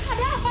ada apa pak